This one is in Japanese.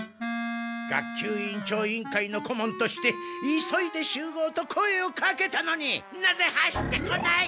学級委員長委員会の顧問として「急いで集合」と声をかけたのになぜ走ってこない！